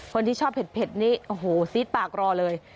คนที่ชอบเผ็ดนี่โอ้โหซีดปากรอเลย